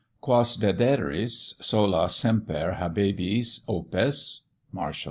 Quas dederis, solas semper habebis opes. MARTIAL.